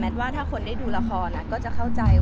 แม็กซ์ก็คือหนักที่สุดในชีวิตเลยจริง